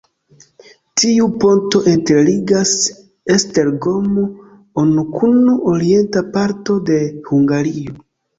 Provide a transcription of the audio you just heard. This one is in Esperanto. Tiu ponto interligas Esztergom-on kun orienta parto de Hungario.